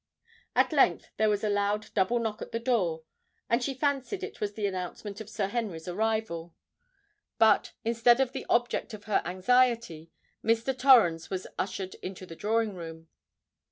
At length there was a loud double knock at the door; and she fancied it was the announcement of Sir Henry's arrival. But, instead of the object of her anxiety, Mr. Torrens was ushered into the drawing room.